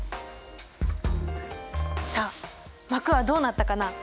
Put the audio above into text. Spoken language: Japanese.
さあ膜はどうなったかな？